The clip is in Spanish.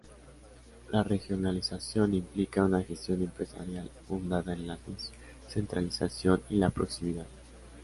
La regionalización implica una gestión empresarial fundada en la descentralización y la proximidad.